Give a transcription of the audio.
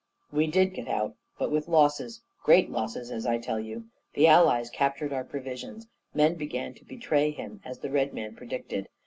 We did get out, but with losses, great losses, as I tell you. The Allies captured our provisions. Men began to betray him, as the Red Man predicted.